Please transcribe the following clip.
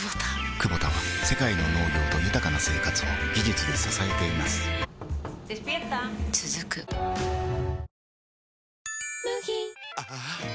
クボタは世界の農業と豊かな生活を技術で支えています起きて。